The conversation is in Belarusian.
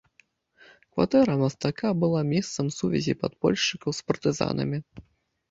Кватэра мастака была месцам сувязі падпольшчыкаў з партызанамі.